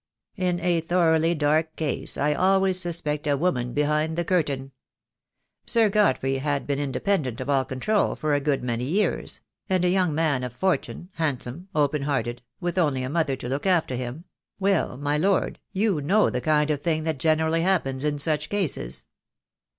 In a thoroughly dark case I always suspect a woman behind the curtain. Sir Godfrey had been independent of all control for a good many years — and a young man of fortune, handsome, open hearted, with only a mother to look after him — well, my Lord, you know the kind of thing that generally happens in such cases."